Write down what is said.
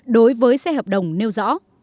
đối với xe hợp đồng nêu rõ